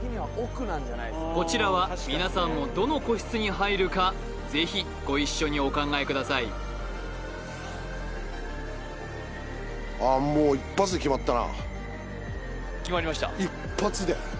こちらは皆さんもどの個室に入るかぜひご一緒にお考えくださいああもう決まりました？